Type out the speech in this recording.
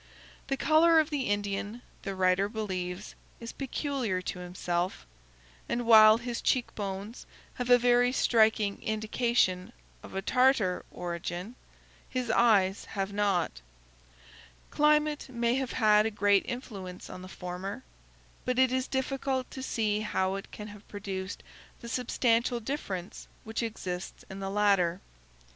The color of the Indian, the writer believes, is peculiar to himself, and while his cheek bones have a very striking indication of a Tartar origin, his eyes have not. Climate may have had great influence on the former, but it is difficult to see how it can have produced the substantial difference which exists in the latter.